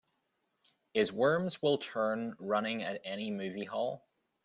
Is Worms Will Turn running at any movie hall?